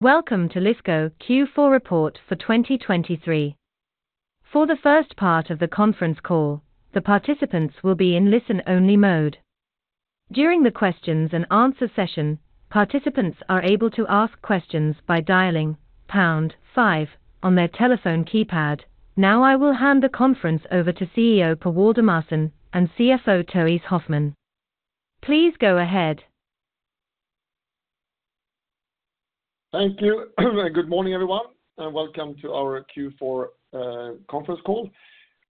Welcome to Lifco Q4 report for 2023. For the first part of the conference call, the participants will be in listen-only mode. During the questions-and-answer session, participants are able to ask questions by dialing pound five on their telephone keypad. Now, I will hand the conference over to CEO Per Waldemarson and CFO Therése Hoffman. Please go ahead. Thank you. Good morning, everyone, and welcome to our Q4 conference call.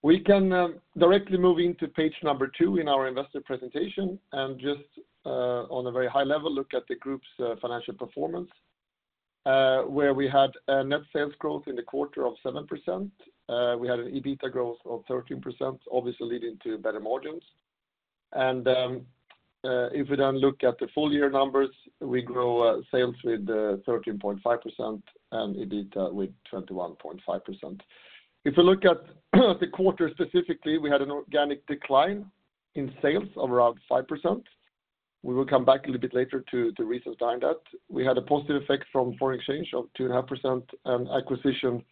We can directly move into page number two in our Investor Presentation, and just on a very high level, look at the group's financial performance, where we had a net sales growth in the quarter of 7%. We had an EBITA growth of 13%, obviously leading to better margins. And if we then look at the full year numbers, we grow sales with 13.5% and EBITA with 21.5%. If you look at the quarter, specifically, we had an organic decline in sales of around 5%. We will come back a little bit later to the reasons behind that. We had a positive effect from foreign exchange of 2.5%, and acquisition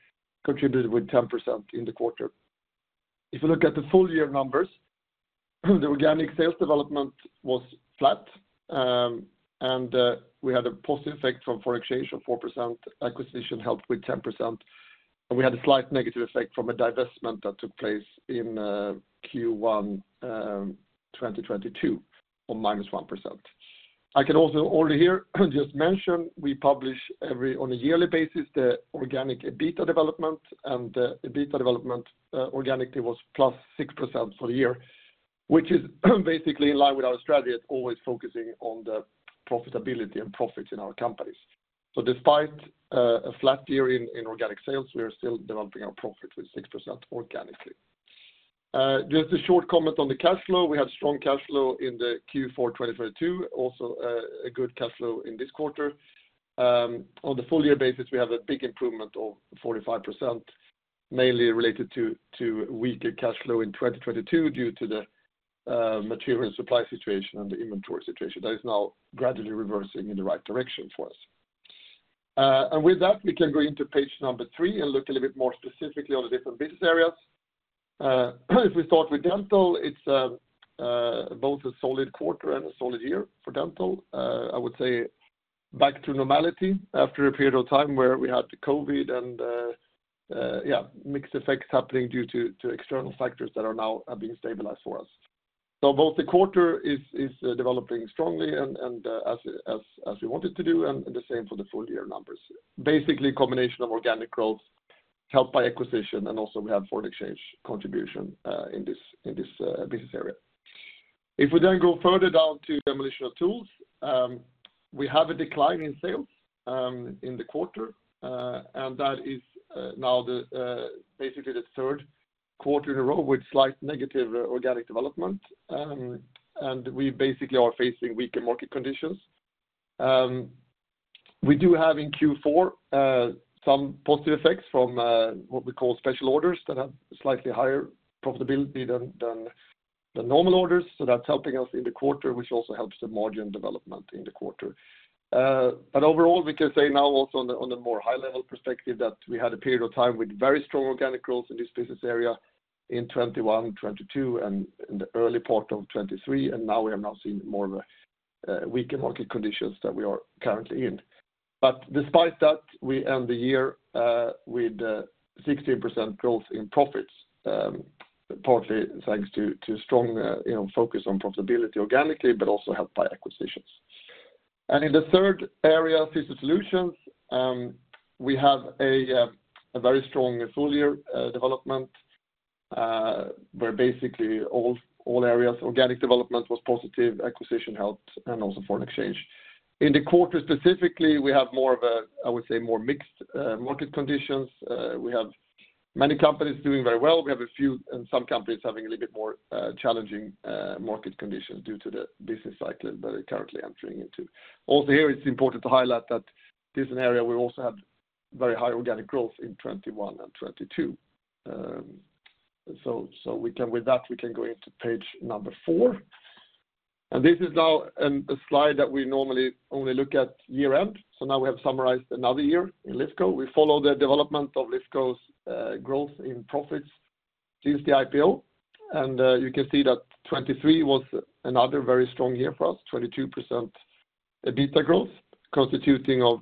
contributed with 10% in the quarter. If you look at the full year numbers, the organic sales development was flat, and we had a positive effect from foreign exchange of 4%, acquisition helped with 10%, and we had a slight negative effect from a divestment that took place in Q1 2022, or -1%. I can also already here just mention we publish on a yearly basis the organic EBITA development and the EBITA development organically was +6% for the year, which is basically in line with our strategy of always focusing on the profitability and profits in our companies. So despite a flat year in organic sales, we are still developing our profit with 6% organically. Just a short comment on the cash flow. We had strong cash flow in the Q4 2022, also a good cash flow in this quarter. On the full year basis, we have a big improvement of 45%, mainly related to weaker cash flow in 2022 due to the material supply situation and the inventory situation. That is now gradually reversing in the right direction for us. And with that, we can go into page number three and look a little bit more specifically on the different business areas. If we start with Dental, it's both a solid quarter and a solid year for Dental. I would say back to normality after a period of time where we had the COVID and mixed effects happening due to external factors that are now being stabilized for us. So the quarter is developing strongly as we want it to do, and the same for the full year numbers. Basically, a combination of organic growth helped by acquisition, and also we have foreign exchange contribution in this business area. If we then go further down to Demolition & Tools, we have a decline in sales in the quarter, and that is basically the third quarter in a row with slight negative organic development, and we basically are facing weaker market conditions. We do have in Q4 some positive effects from what we call special orders that have slightly higher profitability than normal orders. So that's helping us in the quarter, which also helps the margin development in the quarter. But overall, we can say now also on the more high-level perspective that we had a period of time with very strong organic growth in this business area in 2021, 2022, and in the early part of 2023, and now we are seeing more of a weaker market conditions that we are currently in. But despite that, we end the year with 16% growth in profits, partly thanks to strong you know focus on profitability organically, but also helped by acquisitions. And in the third area, Systems Solutions, we have a very strong full year development, where basically all areas organic development was positive, acquisition helped, and also foreign exchange. In the quarter, specifically, we have more of a, I would say, more mixed market conditions. We have many companies doing very well. We have a few and some companies having a little bit more challenging market conditions due to the business cycle that are currently entering into. Also, here, it's important to highlight that this is an area we also have very high organic growth in 2021 and 2022. So with that, we can go into page four. And this is now a slide that we normally only look at year-end. So now we have summarized another year in Lifco. We follow the development of Lifco's growth in profits since the IPO, and you can see that 2023 was another very strong year for us, 22% EBITA growth, constituting of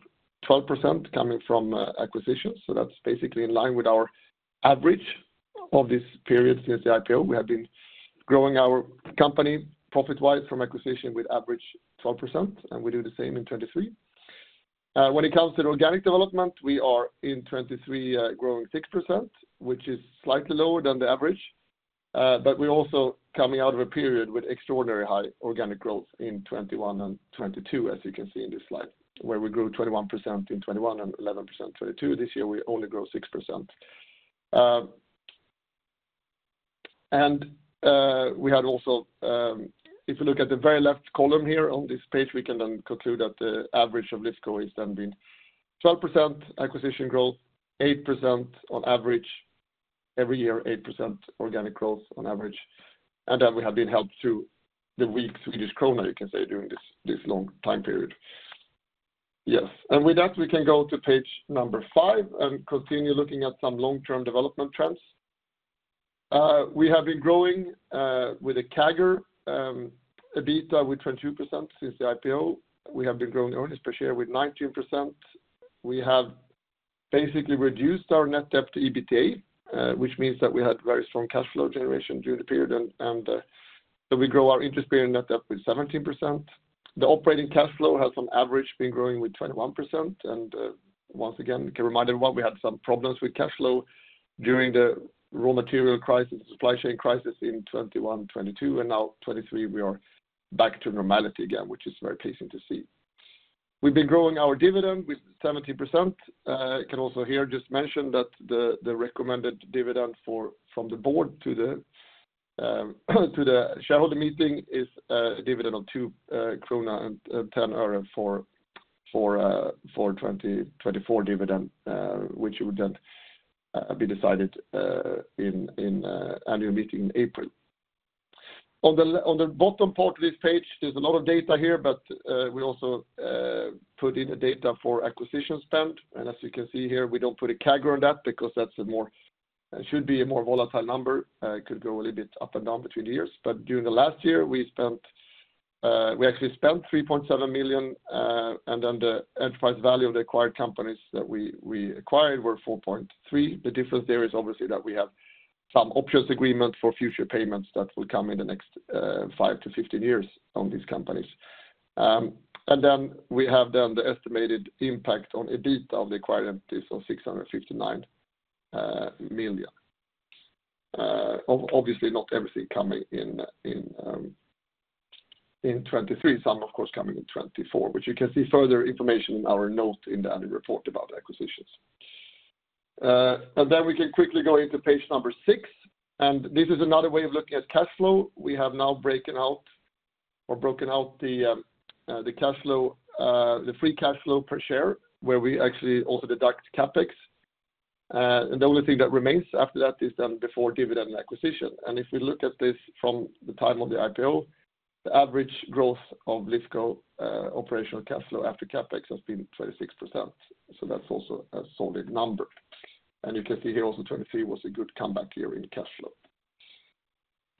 12% coming from acquisitions. So that's basically in line with our average of this period since the IPO. We have been growing our company profit-wise from acquisition with average 12%, and we do the same in 2023. When it comes to organic development, we are in 2023 growing 6%, which is slightly lower than the average, but we're also coming out of a period with extraordinary high organic growth in 2021 and 2022, as you can see in this slide, where we grew 21% in 2021 and 11% in 2022. This year, we only grow 6%. And, we had also, if you look at the very left column here on this page, we can then conclude that the average of Lifco has then been 12% acquisition growth, 8% on average every year, 8% organic growth on average, and then we have been helped through the weak Swedish krona, you can say, during this, this long time period. Yes, and with that, we can go to page number five and continue looking at some long-term development trends. We have been growing with a CAGR, EBITA with 22% since the IPO. We have been growing earnings per share with 19%. We have basically reduced our net debt to EBITDA, which means that we had very strong cash flow generation during the period, and, so we grow our interest bearing net debt with 17%. The operating cash flow has on average been growing with 21%, and once again, we can remind everyone we had some problems with cash flow during the raw material crisis, supply chain crisis in 2021, 2022, and now 2023, we are back to normality again, which is very pleasing to see. We've been growing our dividend with 70%. Can also here just mention that the recommended dividend from the board to the shareholder meeting is a dividend of 2.10 krona for 2024 dividend, which would then be decided in annual meeting in April. On the bottom part of this page, there's a lot of data here, but we also put in the data for acquisition spend. As you can see here, we don't put a CAGR on that because that's a more, it should be a more volatile number, could go a little bit up and down between the years. But during the last year, we spent, we actually spent 3.7 million, and then the enterprise value of the acquired companies that we acquired were [4.3 million] The difference there is obviously that we have some options agreement for future payments that will come in the next five to 15 years on these companies. And then we have the estimated impact on EBIT of the acquired entities of 659 million. Obviously, not everything coming in in 2023, some of course coming in 2024, which you can see further information in our note in the annual report about acquisitions. And then we can quickly go into page number six, and this is another way of looking at cash flow. We have now broken out the cash flow, the free cash flow per share, where we actually also deduct CapEx. And the only thing that remains after that is then before dividend and acquisition. And if we look at this from the time of the IPO, the average growth of Lifco operational cash flow after CapEx has been 26%, so that's also a solid number. And you can see here also, 2023 was a good comeback year in cash flow.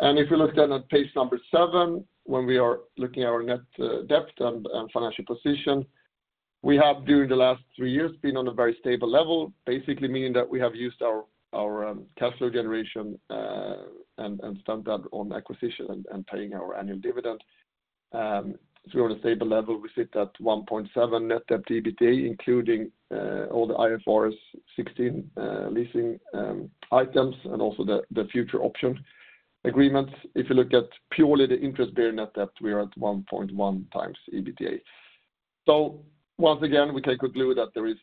If you look then at page seven, when we are looking at our net debt and financial position, we have, during the last three years, been on a very stable level, basically meaning that we have used our cash flow generation and spent that on acquisition and paying our annual dividend. So we're on a stable level. We sit at 1.7x net debt to EBITDA, including all the IFRS 16 leasing items and also the future option agreements. If you look at purely the interest bearing net debt, we are at 1.1x EBITDA. So once again, we take a clue that there is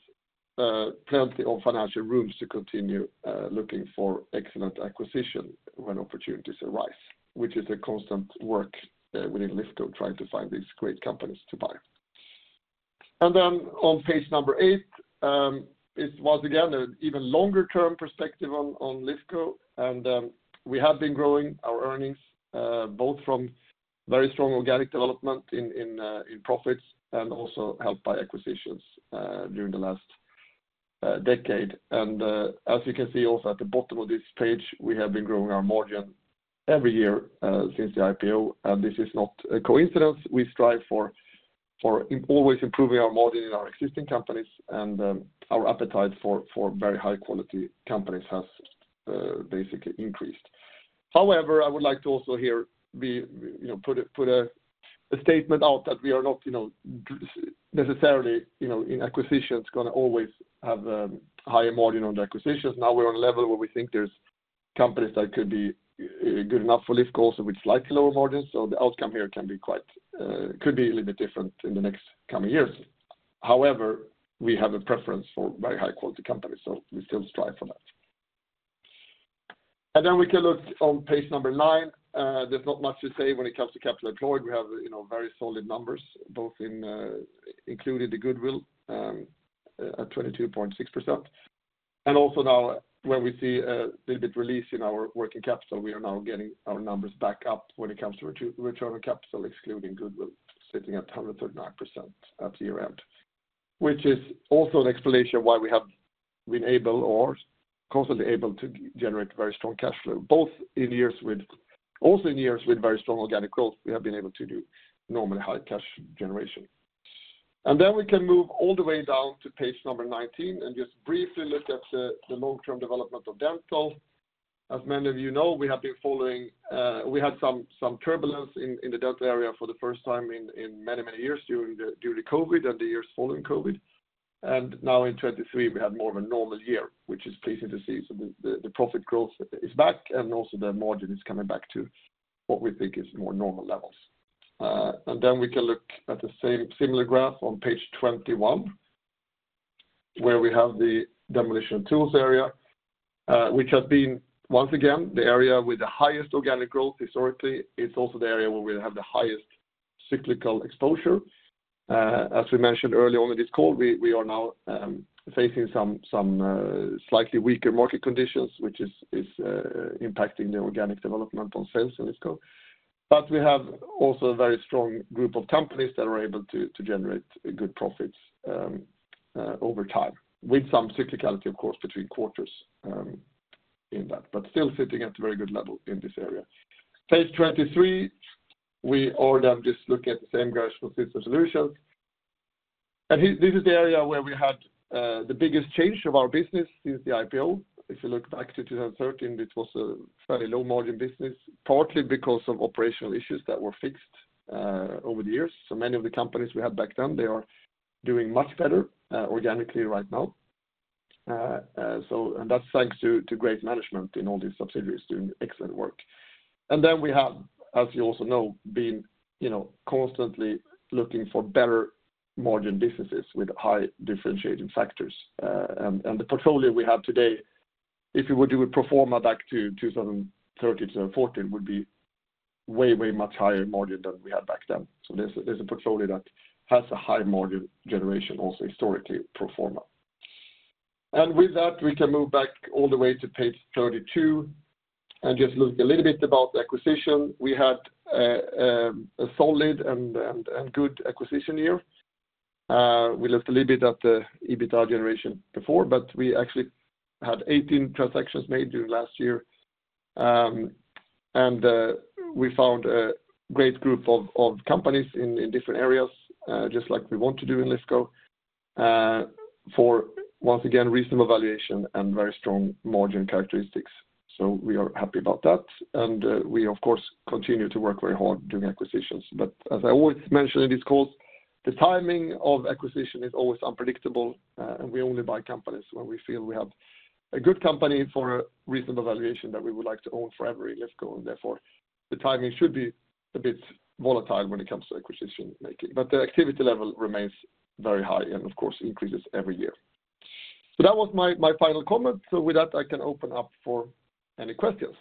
plenty of financial room to continue looking for excellent acquisition when opportunities arise, which is a constant work within Lifco, trying to find these great companies to buy. And then on page number eight is once again an even longer-term perspective on Lifco. And we have been growing our earnings both from very strong organic development in profits and also helped by acquisitions during the last decade. And as you can see also at the bottom of this page, we have been growing our margin every year since the IPO, and this is not a coincidence. We strive for always improving our margin in our existing companies, and our appetite for very high-quality companies has basically increased. However, I would like to also here be, you know, put a statement out that we are not, you know, necessarily, you know, in acquisitions, going to always have a higher margin on the acquisitions. Now, we're on a level where we think there's companies that could be good enough for Lifco, also with slightly lower margins, so the outcome here can be quite could be a little bit different in the next coming years. However, we have a preference for very high-quality companies, so we still strive for that. And then we can look on page nine. There's not much to say when it comes to capital employed. We have, you know, very solid numbers, both in including the goodwill, at 22.6%. And also now, where we see a little bit release in our working capital, we are now getting our numbers back up when it comes to return on capital, excluding goodwill, sitting at 139% at the year-end. Which is also an explanation of why we have been able or constantly able to generate very strong cash flow, both in years with also in years with very strong organic growth, we have been able to do normally high cash generation. And then we can move all the way down to page 19 and just briefly look at the long-term development of Dental. As many of you know, we have been following, we had some turbulence in the Dental area for the first time in many years during the COVID and the years following COVID. And now in 2023, we have more of a normal year, which is pleasing to see. So the profit growth is back, and also the margin is coming back to what we think is more normal levels. And then we can look at the same similar graph on page 21, where we have the Demolition & Tools area, which has been, once again, the area with the highest organic growth historically. It's also the area where we have the highest cyclical exposure. As we mentioned earlier on in this call, we are now facing some slightly weaker market conditions, which is impacting the organic development on sales in this co. But we have also a very strong group of companies that are able to, to generate good profits over time, with some cyclicality, of course, between quarters, in that, but still sitting at a very good level in this area. Page 23, we all have just look at the same graph for System Solutions. And here, this is the area where we had the biggest change of our business since the IPO. If you look back to 2013, it was a fairly low-margin business, partly because of operational issues that were fixed over the years. So many of the companies we had back then, they are doing much better organically right now. so and that's thanks to, to great management in all these subsidiaries doing excellent work. And then we have, as you also know, been, you know, constantly looking for better margin businesses with high differentiating factors. And the portfolio we have today, if you would do a pro forma back to 2013, 2014, would be way, way much higher margin than we had back then. So there's a portfolio that has a high margin generation, also historically pro forma. And with that, we can move back all the way to page 32 and just look a little bit about the acquisition. We had a solid and good acquisition year. We looked a little bit at the EBITA generation before, but we actually had 18 transactions made during last year. And we found a great group of companies in different areas, just like we want to do in Lifco, for once again, reasonable valuation and very strong margin characteristics. So we are happy about that, and we, of course, continue to work very hard doing acquisitions. But as I always mention in these calls, the timing of acquisition is always unpredictable, and we only buy companies when we feel we have a good company for a reasonable valuation that we would like to own forever in Lifco, and therefore, the timing should be a bit volatile when it comes to acquisition making. But the activity level remains very high, and of course, increases every year. So that was my final comment. So with that, I can open up for any questions.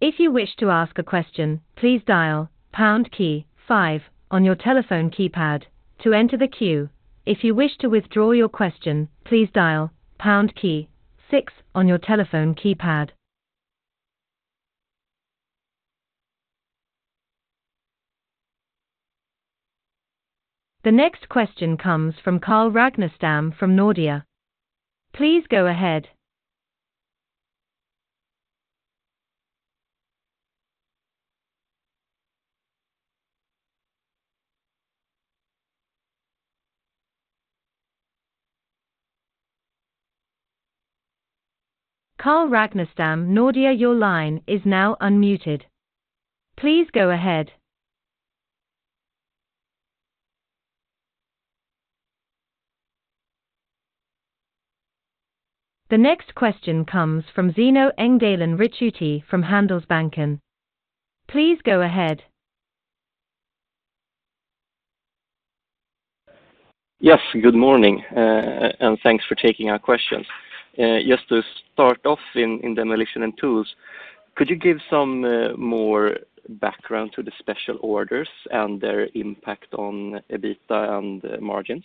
If you wish to ask a question, please dial pound key five on your telephone keypad to enter the queue. If you wish to withdraw your question, please dial pound key six on your telephone keypad. The next question comes from Carl Ragnerstam from Nordea. Please go ahead. Carl Ragnerstam, Nordea, your line is now unmuted. Please go ahead. The next question comes from Zino Engdalen Ricciuti from Handelsbanken. Please go ahead. Yes, good morning, and thanks for taking our questions. Just to start off in Demolition & Tools, could you give some more background to the special orders and their impact on EBITA and margins?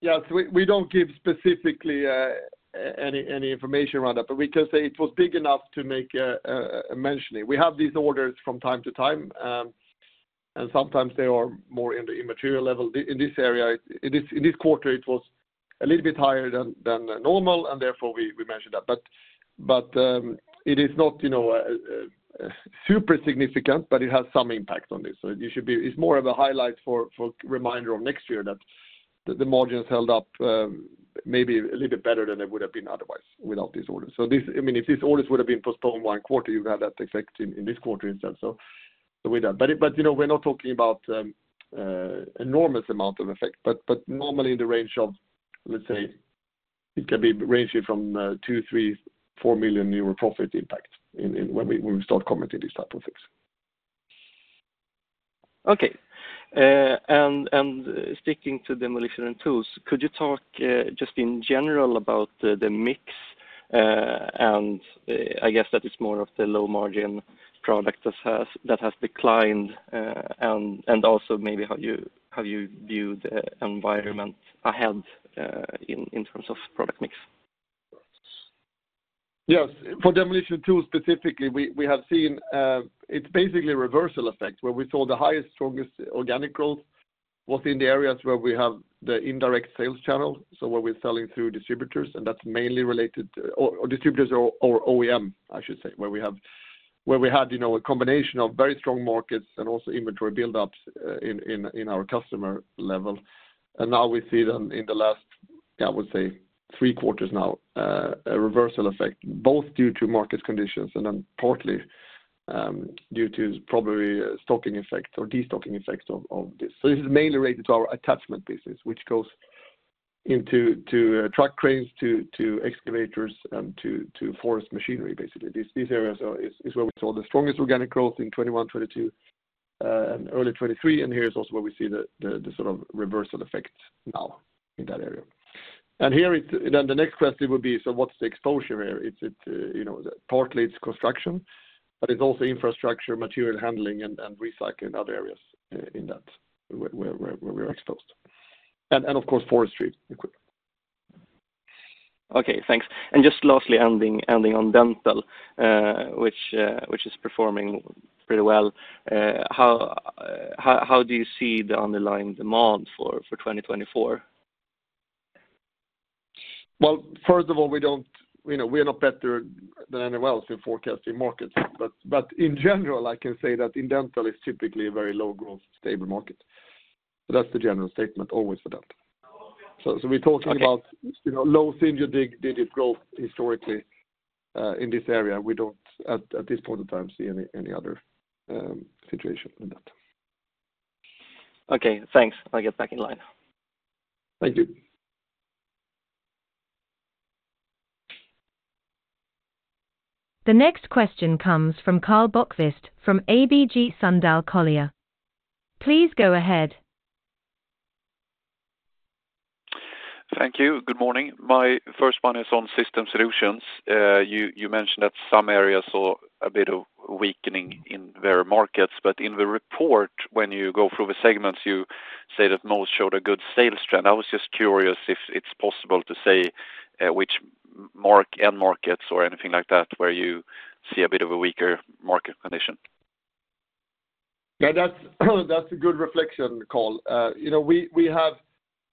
Yes, we don't give specifically any information around that, but we can say it was big enough to make a mentioning. We have these orders from time to time, and sometimes they are more in the immaterial level. In this area, in this quarter, it was a little bit higher than normal, and therefore, we mentioned that. But, it is not, you know, super significant, but it has some impact on this. So you should be-- it's more of a highlight for reminder of next year that the margins held up, maybe a little bit better than they would have been otherwise without these orders. So this, I mean, if these orders would have been postponed one quarter, you've had that effect in this quarter instead, so with that. But, you know, we're not talking about enormous amount of effect, but normally in the range of, let's say, it can be ranging from 2 million, 3 million, 4 million euro profit impact in when we start commenting these type of things. Okay. And sticking to Demolition & Tools, could you talk just in general about the mix? And I guess that is more of the low-margin product that has declined, and also maybe how you view the environment ahead, in terms of product mix. Yes. For Demolition Tools specifically, we have seen, it's basically a reversal effect, where we saw the highest, strongest organic growth was in the areas where we have the indirect sales channel, so where we're selling through distributors, and that's mainly related to or distributors or OEM, I should say, where we had, you know, a combination of very strong markets and also inventory buildups in our customer level. And now we see them in the last, I would say, three quarters now, a reversal effect, both due to market conditions and then partly due to probably stocking effects or destocking effects of this. So this is mainly related to our attachment business, which goes into truck cranes, excavators, and forest machinery, basically. These areas are where we saw the strongest organic growth in 2021, 2022, and early 2023, and here is also where we see the sort of reversal effect now in that area. Then the next question would be, so what's the exposure area? It's you know, partly it's construction, but it's also infrastructure, material handling, and recycling other areas in that where we're exposed. And of course, forestry equipment. Okay, thanks. Just lastly, ending on Dental, which is performing pretty well, how do you see the underlying demand for 2024? Well, first of all, we don't, you know, we are not better than anyone else in forecasting markets. But in general, I can say that in Dental, it's typically a very low-growth, stable market. So that's the general statement, always for that. So we're talking about- Okay... you know, low single digit growth historically, in this area. We don't at this point in time see any other situation than that. Okay, thanks. I'll get back in line. Thank you. The next question comes from Karl Bokvist from ABG Sundal Collier. Please go ahead. Thank you. Good morning. My first one is on Systems Solutions. You mentioned that some areas saw a bit of weakening in their markets, but in the report, when you go through the segments, you say that most showed a good sales trend. I was just curious if it's possible to say, which end markets or anything like that, where you see a bit of a weaker market condition? Yeah, that's a good reflection, Karl. You know, we have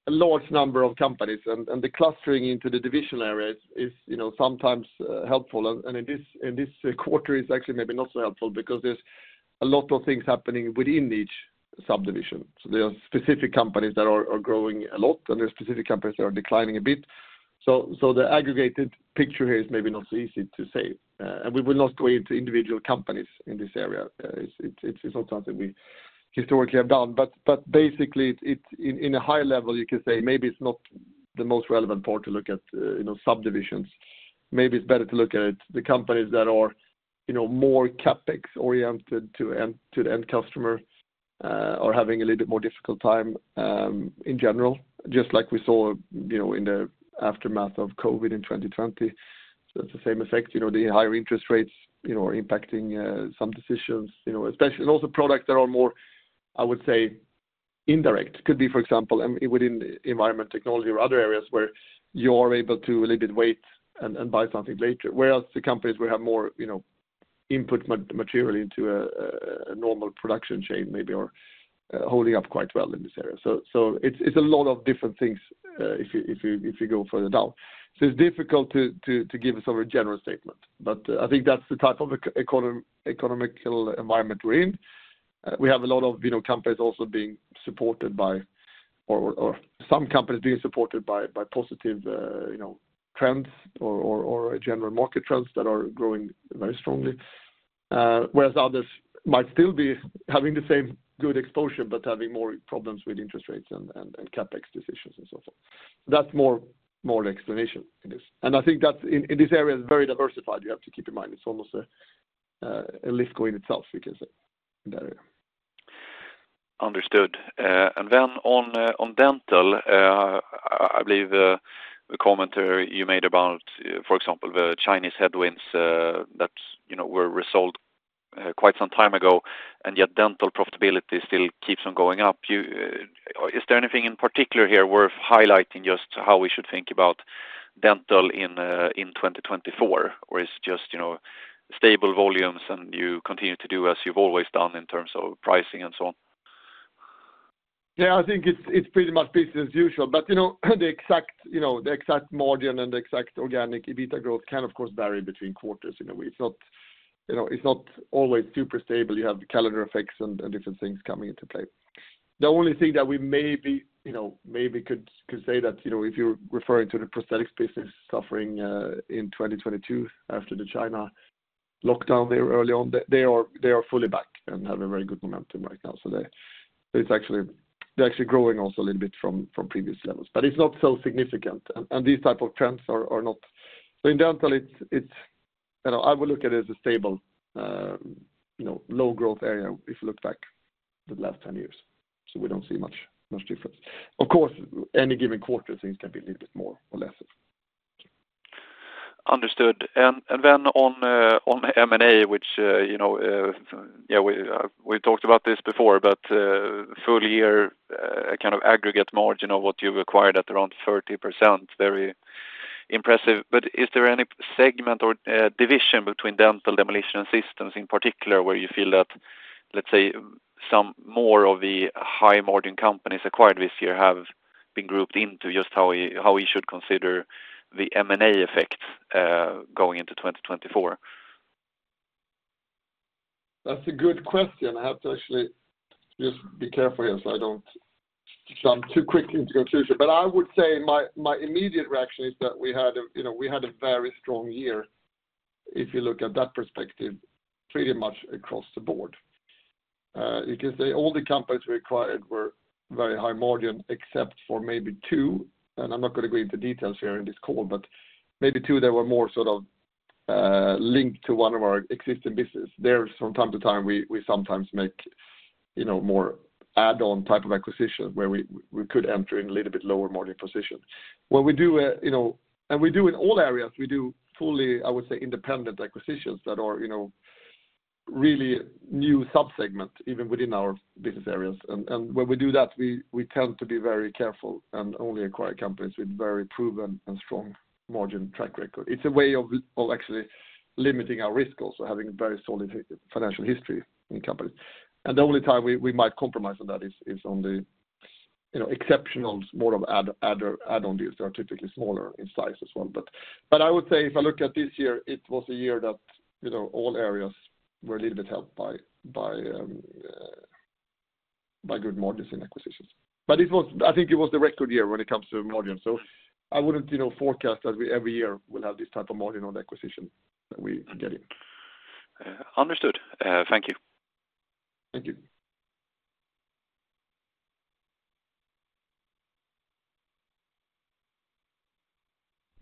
a large number of companies, and the clustering into the division areas is, you know, sometimes helpful. And in this quarter, it's actually maybe not so helpful because there's a lot of things happening within each subdivision. So there are specific companies that are growing a lot, and there are specific companies that are declining a bit. So the aggregated picture here is maybe not so easy to say, and we will not go into individual companies in this area. It's not something we historically have done, but basically, it's in a high level, you can say maybe it's not the most relevant part to look at, you know, subdivisions. Maybe it's better to look at the companies that are, you know, more CapEx oriented to the end customer, are having a little bit more difficult time, in general, just like we saw, you know, in the aftermath of COVID in 2020. So it's the same effect, you know, the higher interest rates, you know, are impacting, some decisions, you know, especially and also products that are more, I would say, indirect. Could be, for example, within environment technology or other areas where you're able to a little bit wait and buy something later. Whereas the companies will have more, you know, input material into a normal production chain, maybe are holding up quite well in this area. So it's a lot of different things, if you go further down. So it's difficult to give a sort of a general statement, but I think that's the type of economical environment we're in. We have a lot of, you know, companies also being supported by, or some companies being supported by, by positive, you know, trends or general market trends that are growing very strongly. Whereas others might still be having the same good exposure, but having more problems with interest rates and CapEx decisions and so forth. That's more the explanation it is. And I think that in this area, it's very diversified, you have to keep in mind. It's almost a Lifco in itself, you can say, in that area. Understood. And then on Dental, I believe the comment you made about, for example, the Chinese headwinds, that, you know, were resolved quite some time ago, and yet Dental profitability still keeps on going up. You, is there anything in particular here worth highlighting, just how we should think about Dental in 2024? Or it's just, you know, stable volumes, and you continue to do as you've always done in terms of pricing and so on. Yeah, I think it's pretty much business as usual, but, you know, the exact margin and the exact organic EBITA growth can, of course, vary between quarters in a way. It's not, you know, it's not always super stable. You have the calendar effects and different things coming into play. The only thing that we maybe could say that, you know, if you're referring to the prosthetics business suffering in 2022 after the China lockdown there early on, they are fully back and have a very good momentum right now. So they're actually growing also a little bit from previous levels, but it's not so significant, and these type of trends are not... So in Dental, it's you know, I would look at it as a stable, you know, low growth area if you look back the last 10 years. So we don't see much difference. Of course, any given quarter, things can be a little bit more or less. Understood. And then on M&A, which, you know, yeah, we talked about this before, but full year, a kind of aggregate margin of what you've acquired at around 30%, very impressive. But is there any segment or division between Dental, Demolition, and Systems in particular, where you feel that, let's say, some more of the high-margin companies acquired this year have been grouped into just how we should consider the M&A effects, going into 2024? That's a good question. I have to actually just be careful here, so I don't jump too quickly into conclusion. But I would say my, my immediate reaction is that we had a, you know, we had a very strong year, if you look at that perspective, pretty much across the board. You can say all the companies we acquired were very high margin, except for maybe two, and I'm not going to go into details here in this call, but maybe two, they were more sort of linked to one of our existing business. There, from time to time, we, we sometimes make, you know, more add-on type of acquisition, where we, we could enter in a little bit lower margin position. When we do, you know, and we do in all areas, we do fully, I would say, independent acquisitions that are, you know, really new sub-segments, even within our business areas. And when we do that, we tend to be very careful and only acquire companies with very proven and strong margin track record. It's a way of actually limiting our risk also, having a very solid financial history in companies. And the only time we might compromise on that is on the, you know, exceptional, more of add-on deals that are typically smaller in size as well. But I would say if I look at this year, it was a year that, you know, all areas were a little bit helped by good margins in acquisitions. But I think it was the record year when it comes to margin. So I wouldn't, you know, forecast that we every year will have this type of margin on acquisition that we are getting. Understood. Thank you. Thank you. The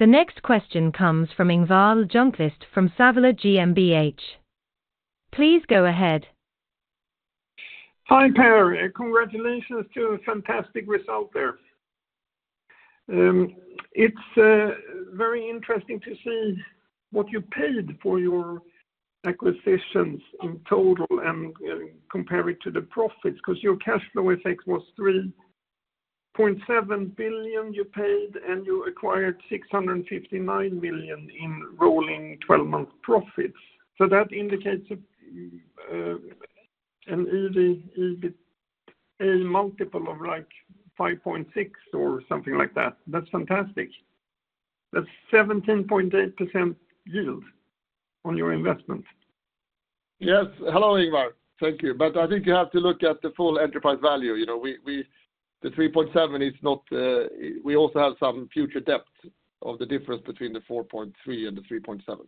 next question comes from [Ingvar Junklist[ from [Salvia GmbH] Please go ahead. Hi, Per, and congratulations to a fantastic result there. It's very interesting to see what you paid for your acquisitions in total and, and compare it to the profits, because your cash flow effect was 3.7 billion you paid, and you acquired 659 million in rolling 12-month profits. So that indicates a, an EV/EBITA multiple of, like, 5.6 or something like that. That's fantastic. That's 17.8% yield on your investment. Yes. Hello, Ingvar. Thank you. But I think you have to look at the full enterprise value. You know, we, the 3.7 billion is not, we also have some future debt of the difference between the 4.3 billion and the 3.7 billion.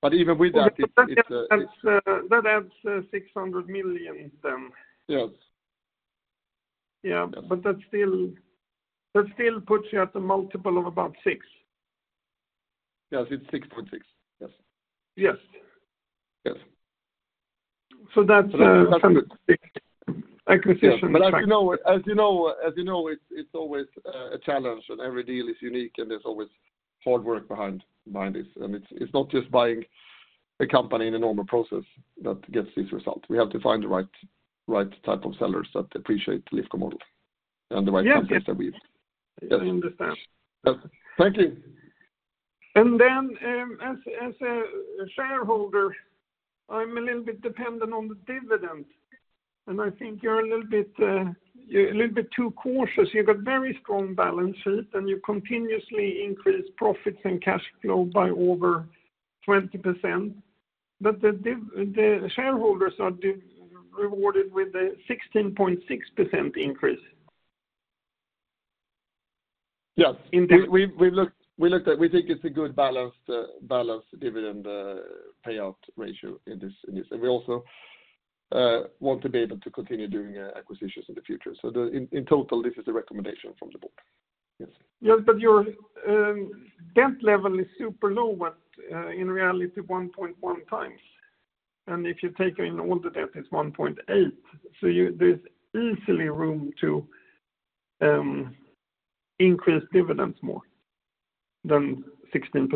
But even with that, it's That adds 600 million then. Yes. Yeah. Yes. But that still, that still puts you at a multiple of about 6x. Yes, it's 6.6x. Yes. Yes. Yes. That's a fantastic acquisition, but- As you know, it's always a challenge, and every deal is unique, and there's always hard work behind this. I mean, it's not just buying a company in a normal process that gets this result. We have to find the right type of sellers that appreciate Lifco model and the right- Yes... companies that we've. I understand. Yes. Thank you. As a shareholder, I'm a little bit dependent on the dividend, and I think you're a little bit too cautious. You got very strong balance sheet, and you continuously increase profits and cash flow by over 20%, but the dividend, the shareholders are disappointed with a 16.6% increase. Yes. In- We've looked at—we think it's a good balanced dividend payout ratio in this. And we also want to be able to continue doing acquisitions in the future. In total, this is the recommendation from the board. Yes. Yes, but your debt level is super low, but in reality, 1.1x. And if you take in all the debt, it's 1.8x. So there's easily room to increase dividends more than 16%.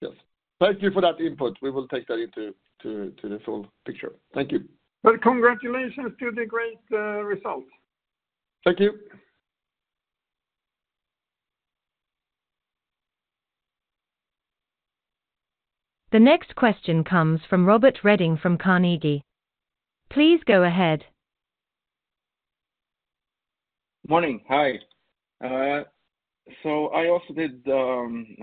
Yes. Thank you for that input. We will take that into the full picture. Thank you. Well, congratulations to the great results. Thank you. The next question comes from Robert Redin from Carnegie. Please go ahead. Morning. Hi. So I also did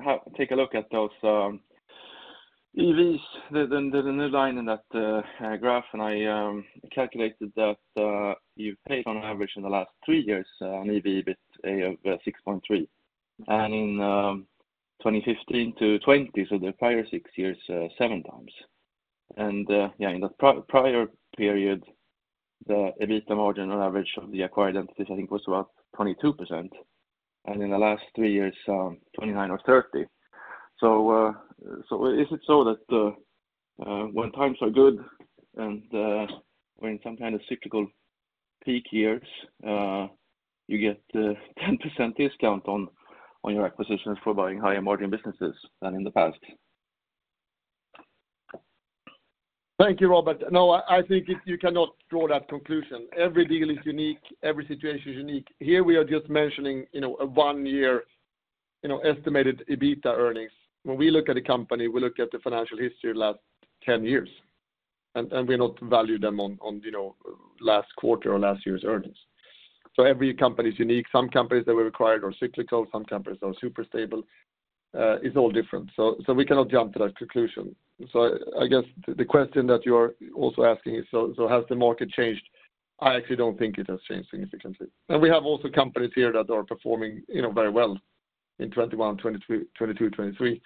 have to take a look at those EVs. There's a new line in that graph, and I calculated that you've paid on average in the last three years an EV with a 6.3x. And in 2015 to 2020, so the prior six years, 7x. And in the prior period, the EBITA margin on average of the acquired entities, I think, was about 22%, and in the last 3 years, 29% or 30%. So, so is it so that when times are good and we're in some kind of cyclical peak years, you get a 10% discount on your acquisitions for buying higher margin businesses than in the past? Thank you, Robert. No, I think you cannot draw that conclusion. Every deal is unique, every situation is unique. Here, we are just mentioning, you know, a one-year, you know, estimated EBITA earnings. When we look at a company, we look at the financial history of the last 10 years, and we not value them on, on, you know, last quarter or last year's earnings. So every company is unique. Some companies that we acquired are cyclical, some companies are super stable, it's all different. So we cannot jump to that conclusion. So I guess the question that you're also asking is, so has the market changed? I actually don't think it has changed significantly. And we have also companies here that are performing, you know, very well in 2021, 2022, 2022, 2023.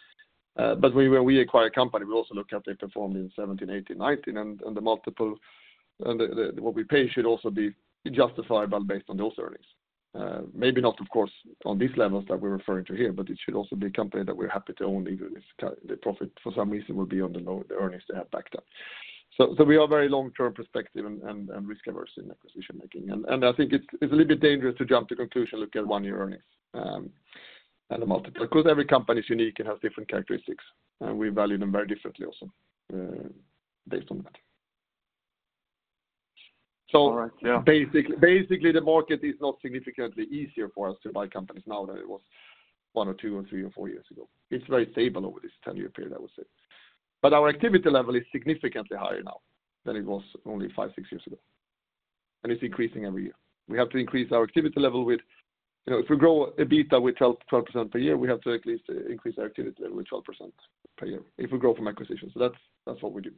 But when we acquire a company, we also look at their performance in 2017, 2018, 2019, and the multiple, and the what we pay should also be justifiable based on those earnings. Maybe not, of course, on these levels that we're referring to here, but it should also be a company that we're happy to own, even if the profit for some reason will be on the low, the earnings to have backed up. So we are very long-term perspective and risk-averse in acquisition making. And I think it's a little bit dangerous to jump to conclusion, look at one-year earnings, and the multiple, because every company is unique and has different characteristics, and we value them very differently also, based on that. All right, yeah. Basically, basically, the market is not significantly easier for us to buy companies now than it was one or two, or three, or four years ago. It's very stable over this 10-year period, I would say. But our activity level is significantly higher now than it was only five, six years ago, and it's increasing every year. We have to increase our activity level with you know, if we grow EBITA with 12%, 12% per year, we have to at least increase our activity with 12% per year, if we grow from acquisition. So that's, that's what we do.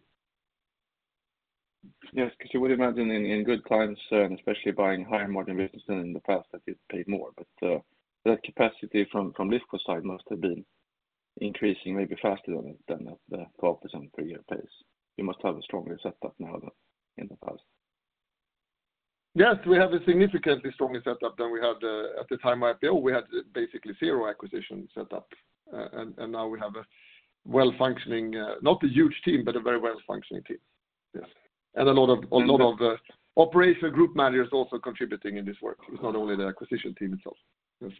Yes, because you would imagine in good times, and especially buying higher margin business than in the past, that you'd pay more. But, that capacity from Lifco side must have been increasing maybe faster than at the 12% per year pace. You must have a stronger setup now than in the past. Yes, we have a significantly stronger setup than we had at the time of IPO. We had basically zero acquisition set up, and, and now we have a well-functioning, not a huge team, but a very well-functioning team. Yes. And a lot of, a lot of, operation group managers also contributing in this work. It's not only the acquisition team itself. Yes.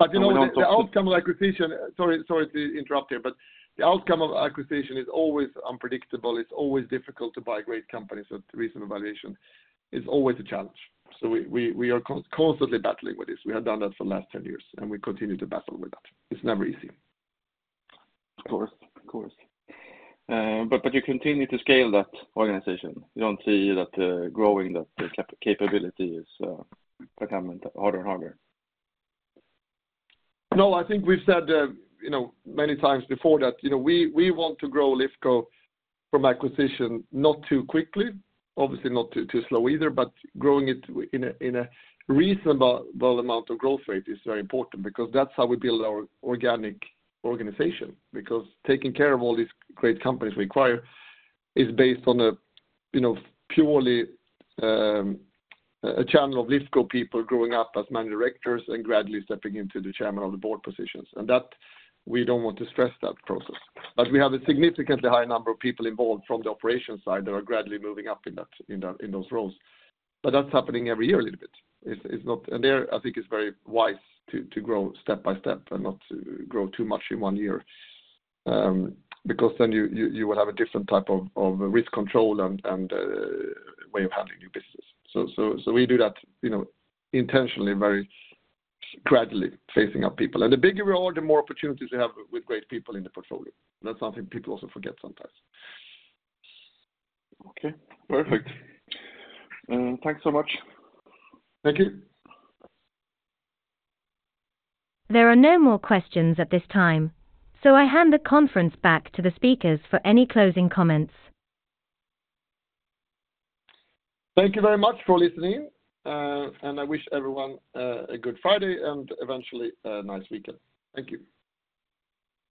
But, you know, the outcome of acquisition. Sorry, sorry to interrupt here, but the outcome of acquisition is always unpredictable. It's always difficult to buy great companies at reasonable valuation. It's always a challenge, so we, we, we are constantly battling with this. We have done that for the last 10 years, and we continue to battle with that. It's never easy. Of course, of course. But, but you continue to scale that organization. You don't see that growing, that the capability is becoming harder and harder? No, I think we've said, you know, many times before that, you know, we want to grow Lifco from acquisition, not too quickly, obviously, not too slow either, but growing it in a reasonable amount of growth rate is very important because that's how we build our organic organization. Because taking care of all these great companies we acquire is based on a, you know, purely a channel of Lifco people growing up as managing directors and gradually stepping into the chairman of the board positions. And that, we don't want to stress that process. But we have a significantly high number of people involved from the operation side that are gradually moving up in that, in that, in those roles. But that's happening every year a little bit. It's not... There, I think it's very wise to grow step by step and not to grow too much in one year, because then you will have a different type of risk control and way of handling your business. So we do that, you know, intentionally, very gradually, phasing up people. And the bigger we are, the more opportunities we have with great people in the portfolio. That's something people also forget sometimes. Okay, perfect. Thanks so much. Thank you. There are no more questions at this time, so I hand the conference back to the speakers for any closing comments. Thank you very much for listening, and I wish everyone a good Friday and eventually a nice weekend. Thank you.